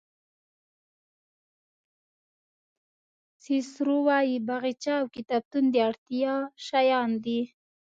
سیسرو وایي باغچه او کتابتون د اړتیا شیان دي.